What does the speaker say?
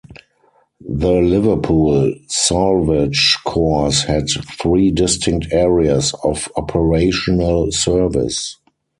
The Liverpool Salvage Corps had three distinct areas of operational service.